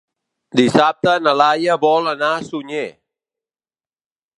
Dissabte na Laia vol anar a Sunyer.